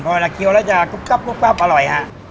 พอเวลาเคี่ยวแล้วจะคุบอร่อย